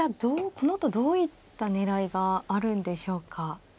このあとどういった狙いがあるんでしょうか。